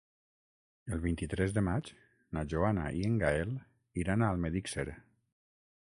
El vint-i-tres de maig na Joana i en Gaël iran a Almedíxer.